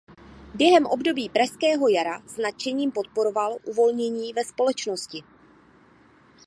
Během období pražského jara s nadšením podporoval uvolnění ve společnosti.